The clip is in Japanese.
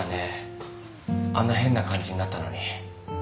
あんな変な感じになったのに。